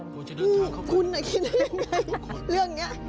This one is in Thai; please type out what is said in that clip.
คุณคิดได้ยังไงเรื่องอย่างนี้